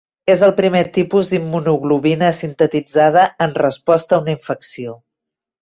És el primer tipus d'immunoglobulina sintetitzada en resposta a una infecció.